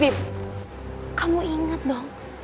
bib kamu inget dong